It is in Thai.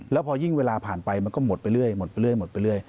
แล้วพอยิ่งเวลาผ่านไปมันก็หมดไปเรื่อย